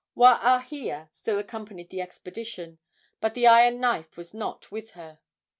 Waahia still accompanied the expedition. But the iron knife was not with her.